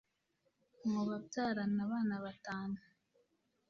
mu babyarana abana batanu